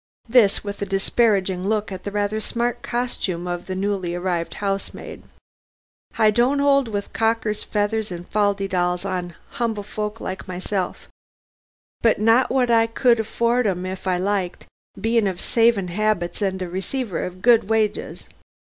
This with a disparaging look at the rather smart costume of the newly arrived housemaid. "I don't 'old with cockes feathers and fal de dals on 'umble folk myself, not but what I could afford 'em if I liked, being of saving 'abits and a receiver of good wages.